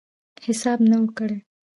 حساب نه وو کړی.